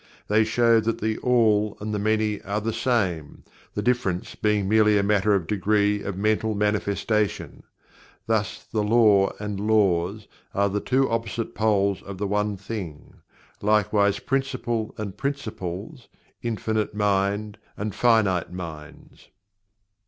They show that THE ALL and The Many are the same, the difference being merely a matter of degree of Mental Manifestation. Thus the LAW and Laws are the two opposite poles of one thing. Likewise, PRINCIPLE and Principles. Infinite Mind and finite minds.